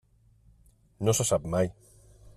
No se sap mai.